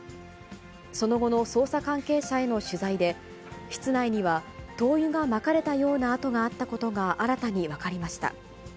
その後の捜査関係者への取材で、室内には灯油がまかれたような跡があったことが新たに分かりました。